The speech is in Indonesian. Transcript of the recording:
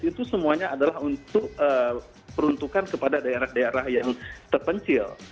itu semuanya adalah untuk peruntukan kepada daerah daerah yang terpencil